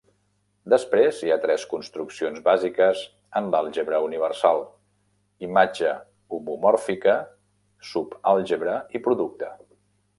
Després hi ha tres construccions bàsiques en l'àlgebra universal: imatge homomòrfica, sub-àlgebra i producte.